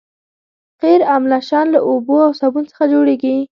قیر املشن له اوبو او صابون څخه جوړیږي